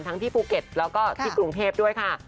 ที่ภูเก็ตแล้วก็ที่กรุงเทพด้วยค่ะ